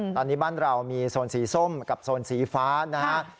ตอนนี้บ้านเรามีโซนสีส้มกับโซนสีฟ้านะฮะ